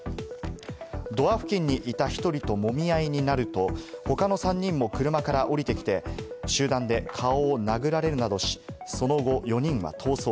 ドア付近にいた１人ともみ合いになると、他の３人も車から降りてきて、集団で顔を殴られるなどし、その後、４人は逃走。